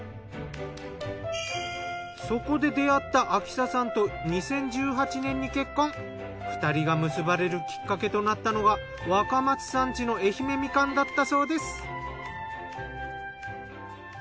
そこで出会った亜希紗さんと２人が結ばれるきっかけとなったのが若松さん家の愛媛みかんだったそうです。